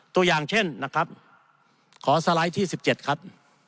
ตัวอย่างเช่นนะครับขอสไลด์ที่๑๗ครับ